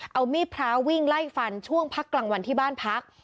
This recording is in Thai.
เอามีดพระวิ่งไล่ฟันช่วงพักกลางวันที่บ้านพัก